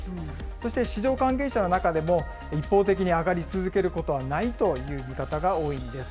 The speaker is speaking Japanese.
そして、市場関係者の中でも一方的に上がり続けることはないという見方が多いんです。